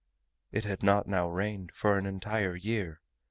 It had not now rained for an entire year.